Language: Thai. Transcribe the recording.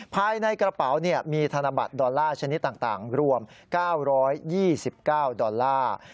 ภายในกระเป๋ามีธนบัตรดอลลาร์ชนิดต่างรวม๙๒๙ดอลลาร์